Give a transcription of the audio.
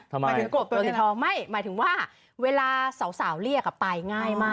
หมายถึงว่าเวลาสาวเรียกไปง่ายมาก